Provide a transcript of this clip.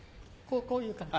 こういう感じ？